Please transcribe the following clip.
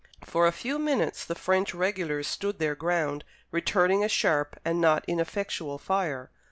For a few minutes the French regulars stood their ground, returning a sharp and not ineffectual fire.